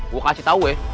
gue kasih tau ya